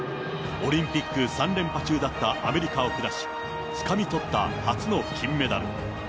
オリンピック３連覇中だったアメリカを下し、つかみとった初の金メダル。